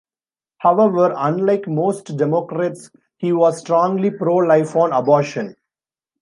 However, unlike most Democrats, he was strongly pro-life on abortion.